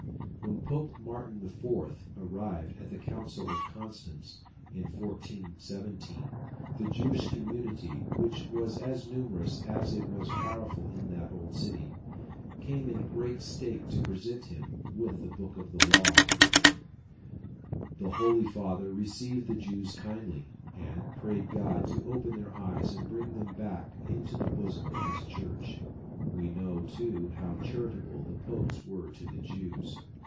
When Pope Martin IV. arrived at the Council of Constance, in 1417, the Jewish community, which was as numerous as it was powerful in that old city, came in great state to present him with the book of the law (Fig. 364). The holy father received the Jews kindly, and prayed God to open their eyes and bring them back into the bosom of his church. We know, too, how charitable the popes were to the Jews.